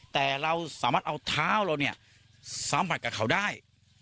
แต่เราสามารถเอาเท้าเราเนี่ยสัมผัสกับเขาได้